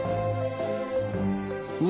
２